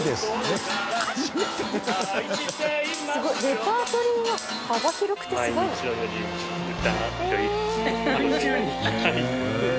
レパートリーが幅広くてすごい。